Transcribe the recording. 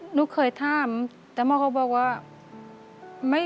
หนูเคยถามแต่หมอเขาบอกว่า